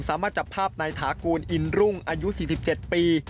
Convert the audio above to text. สามารถจับภาพนายถากูลอินรุ่งอายุ๔๗ปี